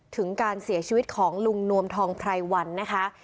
ถึงการเสียชีวิตของลุงนวมทองไพรวันนะคะ